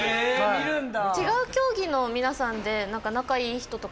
見るんだ。